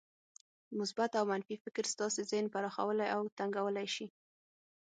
مثبت او منفي فکر ستاسې ذهن پراخولای او تنګولای شي.